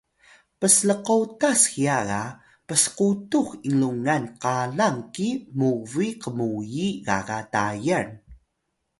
pslkotas hiya ga psqutux inlungan qalang ki mubuy qmuyiy gaga Tayal